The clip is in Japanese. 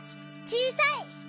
「ちいさい」！